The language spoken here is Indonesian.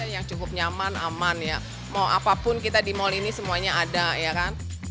yang cukup nyaman aman ya mau apapun kita di mal ini semuanya ada ya kan